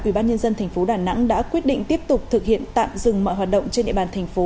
ubnd tp đà nẵng đã quyết định tiếp tục thực hiện tạm dừng mọi hoạt động trên địa bàn thành phố